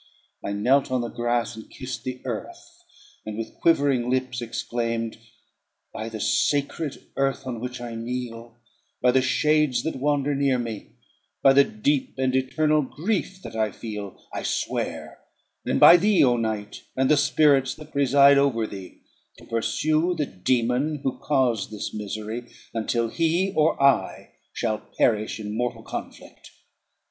I knelt on the grass, and kissed the earth, and with quivering lips exclaimed, "By the sacred earth on which I kneel, by the shades that wander near me, by the deep and eternal grief that I feel, I swear; and by thee, O Night, and the spirits that preside over thee, to pursue the dæmon, who caused this misery, until he or I shall perish in mortal conflict.